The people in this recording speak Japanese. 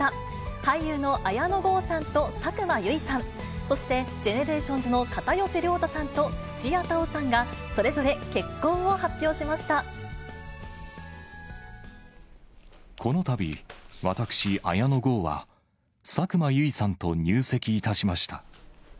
俳優の綾野剛さんと佐久間由衣さん、そしてＧＥＮＥＲＡＴＩＯＮＳの片寄涼太さんと土屋太鳳さんが、このたび、私、綾野剛は、佐久間由衣さんと入籍いたしました。